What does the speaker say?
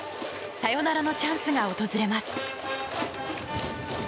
サヨナラのチャンスが訪れます。